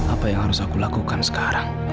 apa yang harus aku lakukan sekarang